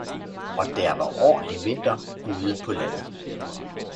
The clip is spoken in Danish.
Og der var ordentlig vinter ude på landet